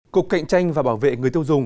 cục cạnh tranh và bảo vệ người chính trị